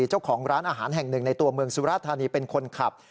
เจ้าของร้านอาหารแห่งหนึ่งในตัวเมืองสุราธานีเป็นคนขับ